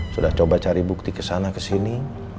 sudah coba cari bukti kesana kesini